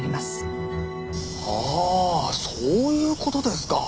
ああそういう事ですか。